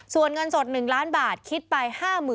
ส่วนเงินสด๑ล้านบาทคิดไป๕๐๐๐